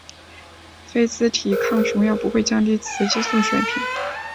非甾体抗雄药不会降低雌激素水平。